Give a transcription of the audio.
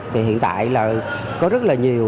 thì hiện tại là có rất là nhiều